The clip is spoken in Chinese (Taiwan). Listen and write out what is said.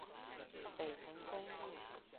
北橫公路